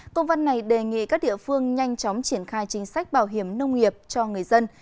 công văn này đề nghị các địa phương nhanh chóng triển khai chính sách bảo hiểm nông nghiệp cho người dân